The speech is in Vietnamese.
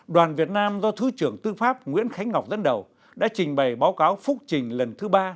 đoàn việt nam do thứ trưởng tư pháp nguyễn khánh ngọc dẫn đầu đã trình bày báo cáo phúc trình lần thứ ba